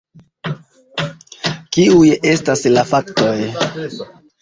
Kiuj estas la faktoj?